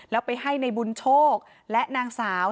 แล้วไปให้ในบุญโชคและนางสาว